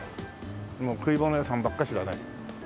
もう食い物屋さんばっかしだね。